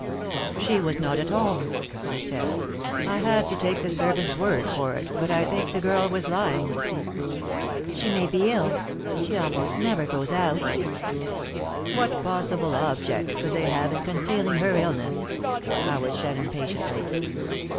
"She was not at home," he said. "I had to take the servant's word for it, but I think the girl was lying." "She may be ill. She almost never goes out." "What possible object could they have in concealing her illness?" Howard said impatiently.